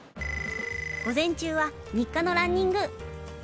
午前中は日課のランニング